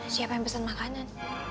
siapa yang pesan makanan